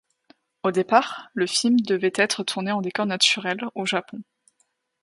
Au départ, le film devait être tourné en décors naturels, au Japon.